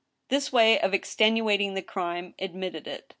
This way of extenuating the crime admitted it.